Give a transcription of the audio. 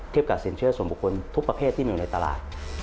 กับสินเชื่อส่วนบุคคลทุกประเภทที่มีอยู่ในตลาด